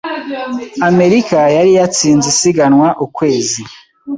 Amerika yari yatsinze isiganwa ukwezi